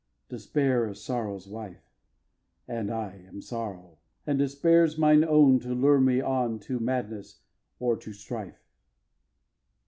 Despair is Sorrow's wife; And I am Sorrow, and Despair's mine own, To lure me on to madness or to strife.